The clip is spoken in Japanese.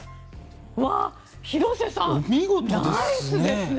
広瀬さん、ナイスですね。